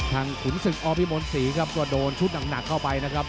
ขุนศึกอพิมลศรีครับก็โดนชุดหนักเข้าไปนะครับ